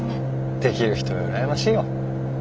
できる人は羨ましいよ。